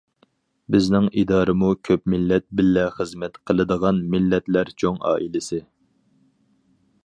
بىزنىڭ ئىدارىمۇ كۆپ مىللەت بىللە خىزمەت قىلىدىغان مىللەتلەر چوڭ ئائىلىسى.